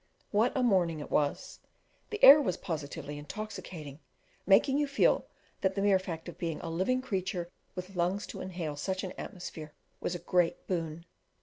What a morning it was! The air was positively intoxicating, making you feel that the mere fact of being a living creature with lungs to inhale such an atmosphere was a great boon.